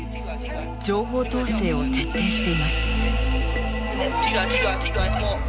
情報統制を徹底しています。